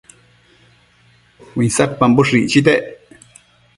uinsadpamboshë icchitec